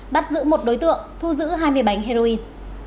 bắt giữ một đối tượng thu giữ hai mươi bánh heroin